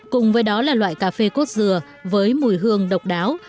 cùng với đó là loại cà phê cốt dừa với mùi hương độc đáo